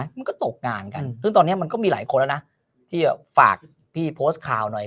มันก็ตกงานกันตอนแนั้นมันก็มีหลายคนนะที่ฝากพี่โพสต์ค่าวหน่อย